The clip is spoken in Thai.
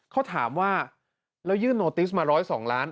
เขาถามว่าแล้วยื่นโนติสมา๑๐๒ล้าน